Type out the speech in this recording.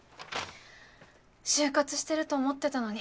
就活してると思ってたのに。